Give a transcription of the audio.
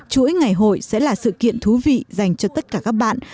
chuỗi ngày hội sẽ là sự kiện thú vị dành cho tất cả các bạn